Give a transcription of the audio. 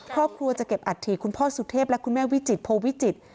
ครอบครัวจะเก็บอัฐิคุณพ่อสุเทพและคุณแม่วิจิตโพวิจิตร